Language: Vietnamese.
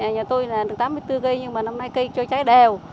nhà tôi là được tám mươi bốn cây nhưng mà năm nay cây trôi trái đều